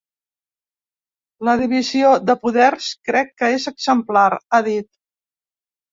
La divisió de poders crec que és exemplar, ha dit.